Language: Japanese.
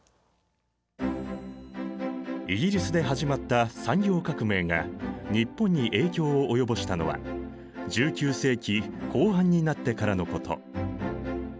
イギリスで始まった産業革命が日本に影響を及ぼしたのは１９世紀後半になってからのこと。